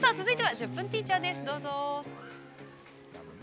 ◆「１０分ティーチャー」